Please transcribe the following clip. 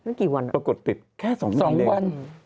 นั้นกี่วันนะครับสองวัน